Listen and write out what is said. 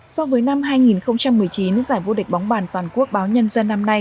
so với năm hai nghìn một mươi chín giải vô địch bóng bàn toàn quốc báo nhân dân năm nay